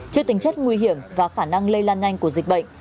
trước tính chất nguy hiểm và khả năng lây lan nhanh của dịch bệnh